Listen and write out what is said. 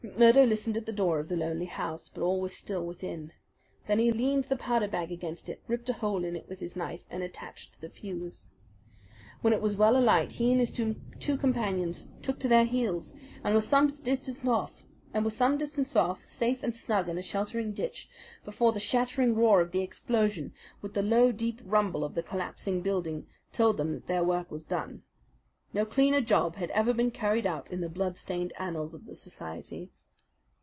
McMurdo listened at the door of the lonely house; but all was still within. Then he leaned the powder bag against it, ripped a hole in it with his knife, and attached the fuse. When it was well alight he and his two companions took to their heels, and were some distance off, safe and snug in a sheltering ditch, before the shattering roar of the explosion, with the low, deep rumble of the collapsing building, told them that their work was done. No cleaner job had ever been carried out in the bloodstained annals of the society.